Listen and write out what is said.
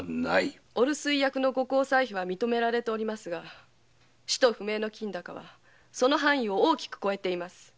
お留守居役の交際費は認められていますが使途不明の金高はその範囲を大きく超えております。